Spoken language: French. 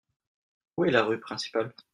Où est la rue principale ?